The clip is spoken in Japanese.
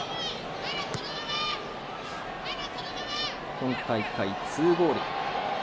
今大会、２ゴール。